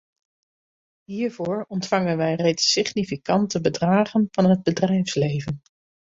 Hiervoor ontvangen wij reeds significante bedragen van het bedrijfsleven.